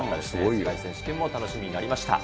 世界選手権も楽しみになりました。